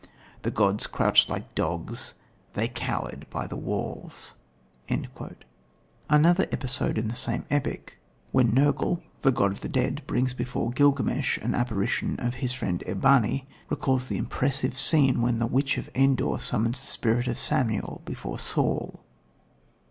The gods crouched like dogs, they cowered by the walls." Another episode in the same epic, when Nergal, the god of the dead, brings before Gilgamesh an apparition of his friend, Eabani, recalls the impressive scene, when the witch of Endor summons the spirit of Samuel before Saul.